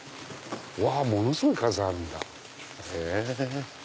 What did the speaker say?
うわものすごい数があるんだへぇ！